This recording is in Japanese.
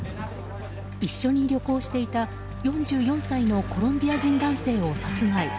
一緒に旅行していた４４歳のコロンビア人男性を殺害。